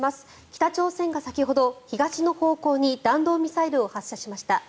北朝鮮が先ほど東の方向に弾道ミサイルを発射しました。